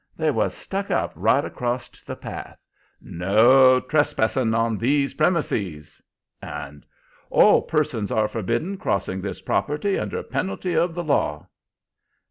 They was stuck up right acrost the path: 'No trespassing on these premises,' and 'All persons are forbidden crossing this property, under penalty of the law.'